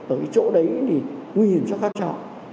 ở cái chỗ đấy thì nguy hiểm cho khách chọn